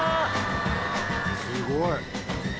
すごい。